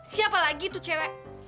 siapa lagi itu cewek